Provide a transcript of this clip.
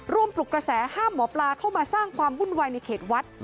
ปลุกกระแสห้ามหมอปลาเข้ามาสร้างความวุ่นวายในเขตวัด